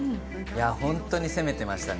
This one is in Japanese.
本当に攻めていましたね。